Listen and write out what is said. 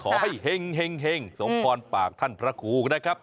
ขอให้แห่งส่งพรปากท่านพระครูก็ได้ครับ